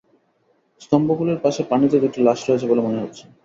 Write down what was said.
স্তম্ভগুলির পাশে পানিতে দুটি লাশ রয়েছে বলে মনে হচ্ছে।